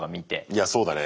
いやそうだね。